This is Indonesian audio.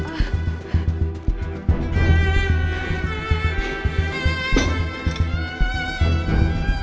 aku pindah kayak malem kali